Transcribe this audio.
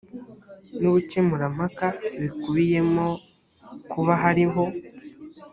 n ubukemurampaka bikubiyemo kuba hariho